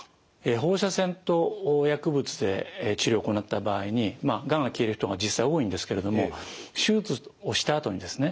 放射線と薬物で治療を行った場合にがんが消える人が実際多いんですけれども手術をしたあとにですね